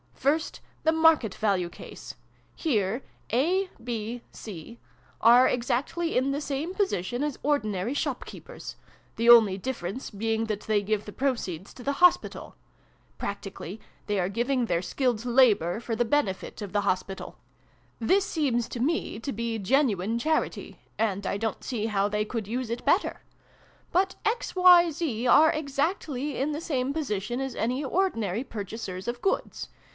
"First, the 'market value' case. Here A, B, C are exactly in the same position as ordinary shopkeepers ; the only difference being that they give the proceeds to the Hospital. Prac tically, they are giving their skilled labour for the benefit of the Hospital. This seems to 46 SYLVIE AND BRUNO CONCLUDED. me to be genuine charity. And I don't see how they could use it better. But X, Y, Z, are exactly in the same position as any ordinary purchasers of goods.